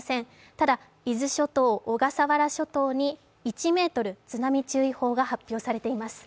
ただ、伊豆諸島、小笠原諸島に１ｍ津波注意報が発表されています。